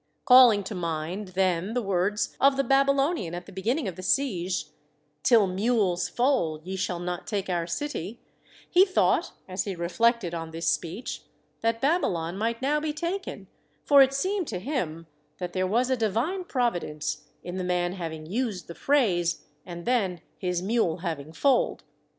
Calling to mind then the words of the Baby lonian at the beginning of the siege :'' Till mules foal ye shall not take our city,' he thought, as he re flected on this speech, that Babylon might now be taken, for it seemed to him that there was a divine providence in the man having used the phrase, and then his mule having foaled.